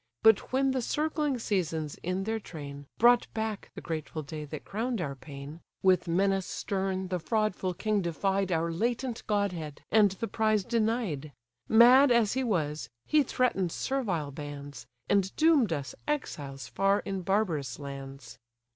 But when the circling seasons in their train Brought back the grateful day that crown'd our pain, With menace stern the fraudful king defied Our latent godhead, and the prize denied: Mad as he was, he threaten'd servile bands, And doom'd us exiles far in barbarous lands.